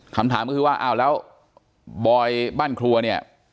คำถามก็คือว่าอ้าวแล้วบอยบ้านครัวเนี่ย